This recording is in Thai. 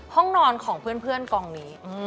ห้องนอนของเพื่อนกองนี้